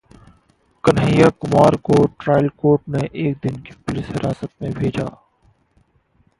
कन्हैया कुमार को trial court ने एक दिन की पुलिस हिरासत में भेजा